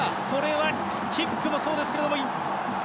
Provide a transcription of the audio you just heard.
これはキックもそうですが。